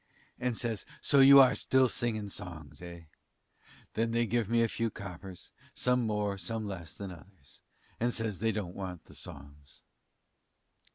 And says, 'So you are still selling songs, eh?' Then they give me a few coppers; some more and some less than others, and says they don't want the songs.